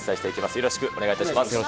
よろしくお願いします。